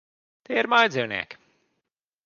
Tie ir mājdzīvnieki.